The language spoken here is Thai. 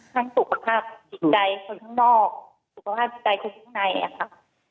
ทั้งสุขภาพของติดใจคนข้างนอกสุขภาพของติดใจคนข้างในอ่ะครับ